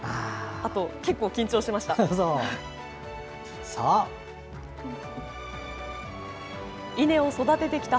あと、結構緊張しました。